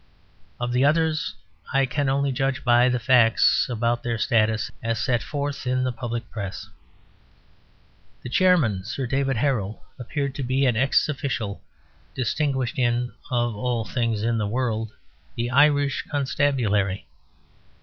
Of the others I can only judge by the facts about their status as set forth in the public Press. The Chairman, Sir David Harrell, appeared to be an ex official distinguished in (of all things in the world) the Irish Constabulary.